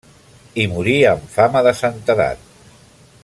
Hi morí amb fama de santedat.